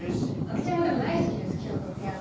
私もでも大好きです清塚さんのピアノ。